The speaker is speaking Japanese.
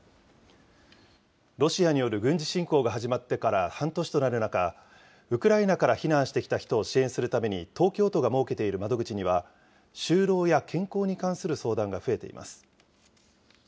ロシアによる軍事侵攻が始まってから半年となる中、ウクライナから避難してきた人を支援するために東京都が設けている窓口には、就労や健康に関する相談が増えています。